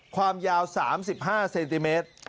ความยาว๓๕เซนติเมตร